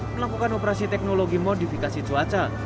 melakukan operasi teknologi modifikasi cuaca